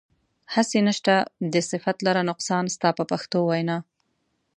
هسې نشته دی صفت لره نقصان ستا په پښتو وینا.